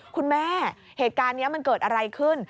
เหตุการณ์นี้มันเกิดอะไรขึ้น